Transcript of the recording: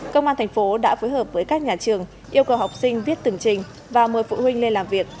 công an thành phố đã phối hợp với các nhà trường yêu cầu học sinh viết từng trình và mời phụ huynh lên làm việc